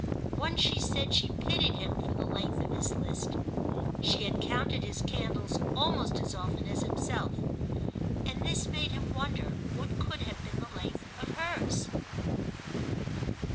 Once she said she pitied him for the length of his list—she had counted his candles almost as often as himself—and this made him wonder what could have been the length of hers.